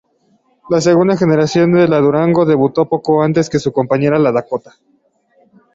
La segunda generación de la Durango debutó poco antes que su compañera la Dakota.